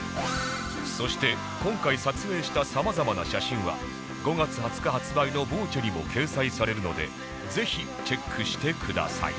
そして今回撮影した様々な写真は５月２０日発売の『ＶＯＣＥ』にも掲載されるのでぜひチェックしてください